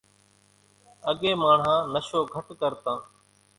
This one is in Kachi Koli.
اڳيَ ماڻۿان نشو گھٽ ڪرتان۔